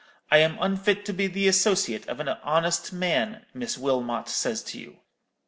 'I am unfit to be the associate of an honest man,' Miss Wilmot says to you.